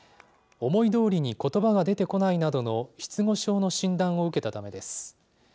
思いどおりにことばが出てこないなどの失語症の診断を受けたためです。